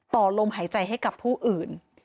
ต่อลมหายใจให้กับผู้อื่น